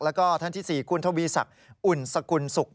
แล้วก็ท่านที่๔คุณทวีศักดิ์อุ่นสกุลศุกร์